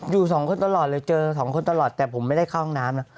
อยู่สองคนตลอดเลยเจอสองคนตลอดแต่ผมไม่ได้เข้าห้องน้ำนะ